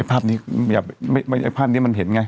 ไอ้ภาพนี้มันเห็นไง